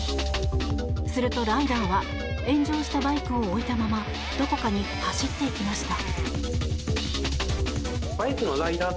すると、ライダーは炎上したバイクを置いたままどこかに走っていきました。